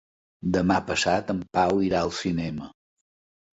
Demà passat en Pau irà al cinema.